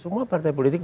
semua partai politik